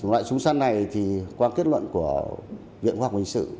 loại súng săn này thì qua kết luận của viện hoa học bình sự